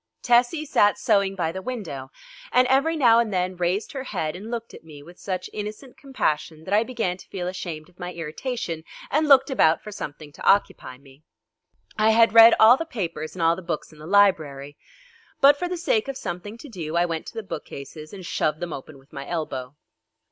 Tessie sat sewing by the window, and every now and then raised her head and looked at me with such innocent compassion that I began to feel ashamed of my irritation and looked about for something to occupy me. I had read all the papers and all the books in the library, but for the sake of something to do I went to the bookcases and shoved them open with my elbow.